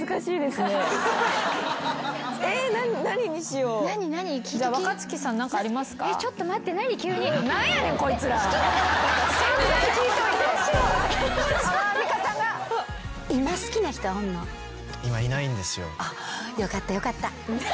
よかったよかった。